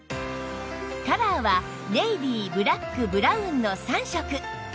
カラーはネイビーブラックブラウンの３色